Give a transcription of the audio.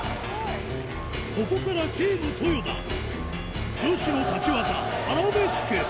ここからチーム ＴＯＹＯＤＡ 女子の立ち技アラベスク